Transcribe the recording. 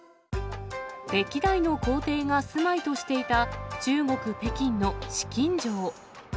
歴代の皇帝が住まいとしていた中国・北京の紫禁城。